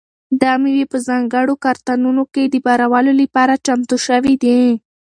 دا مېوې په ځانګړو کارتنونو کې د بارولو لپاره چمتو شوي دي.